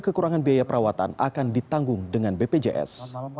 kekurangan biaya perawatan akan ditanggung dengan bpjs